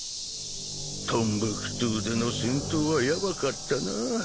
トンブクトゥでの戦闘はヤバかったなあ